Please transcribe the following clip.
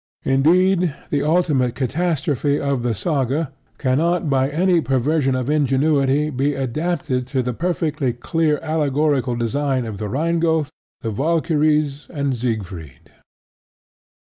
Indeed, the ultimate catastrophe of the Saga cannot by any perversion of ingenuity be adapted to the perfectly clear allegorical design of The Rhine Gold, The Valkyries, and Siegfried.